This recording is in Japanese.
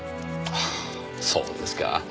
ああそうですか。